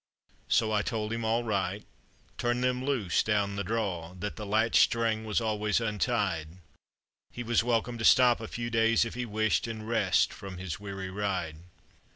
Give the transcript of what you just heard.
So I told him all right, turn them loose down the draw, that the latch string was always untied, He was welcome to stop a few days if he wished and rest from his weary ride.